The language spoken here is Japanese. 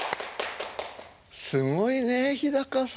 すごいね日さん。